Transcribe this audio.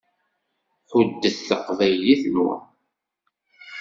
Ḥuddet taqbaylit-nwen.